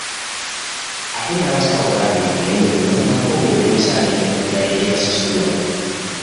Ate n'abasawo bambi ku mulembe guno bakoowu olw'emisaala emitono ddala egibasasulwa.